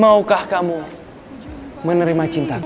maukah kamu menerima cintamu